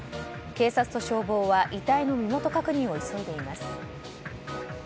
警察と消防は遺体の身元確認を急いでいます。